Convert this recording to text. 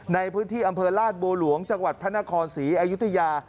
ในพื้นที่อำเภอลาดบัวหลวงจังหวัดพระนครศรีอยุธยา